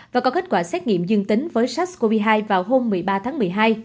và có kết quả xét nghiệm dương tính với sars cov hai vào hôm một mươi ba tháng một mươi hai